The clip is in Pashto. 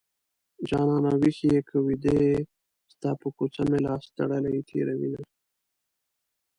جانانه ويښ يې که ويده يې ستا په کوڅه مې لاس تړلی تېروينه